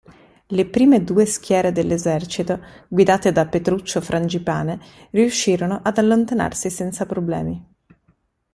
Le prime due schiere dell'esercito, guidate da Petruccio Frangipane, riuscirono ad allontanarsi senza problemi.